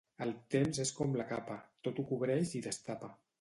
El temps és com la capa: tot ho cobreix i destapa.